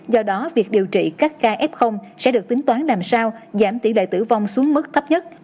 do đó việc điều trị các ca f sẽ được tính toán làm sao giảm tỷ lệ tử vong xuống mức thấp nhất